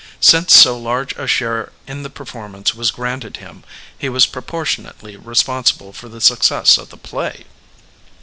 Since so large a share in the performance was granted him, he was proportionally respon sible for the success of the play.